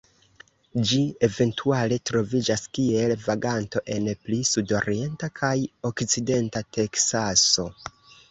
Ĝi eventuale troviĝas kiel vaganto en pli sudorienta kaj okcidenta Teksaso.